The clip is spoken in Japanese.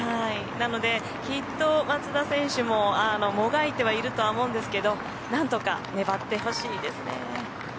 なのできっと松田選手ももがいてはいると思うんですけど何とか粘ってほしいですね。